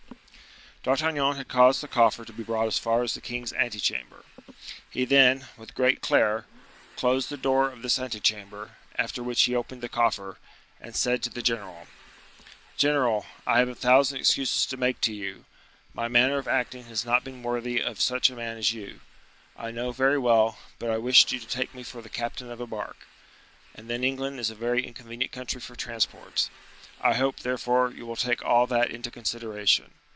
D'Artagnan had caused the coffer to be brought as far as the king's ante chamber. He then, with great care, closed the door of this ante chamber, after which he opened the coffer, and said to the general: "General, I have a thousand excuses to make to you; my manner of acting has not been worthy of such a man as you, I know very well; but I wished you to take me for the captain of a bark. And then England is a very inconvenient country for transports. I hope, therefore, you will take all that into consideration.